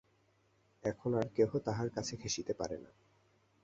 এখন আর কেহ তাহার কাছে ঘেঁষিতে পারে না।